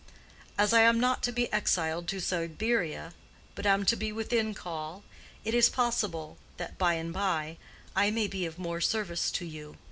As I am not to be exiled to Siberia, but am to be within call, it is possible that, by and by, I may be of more service to you.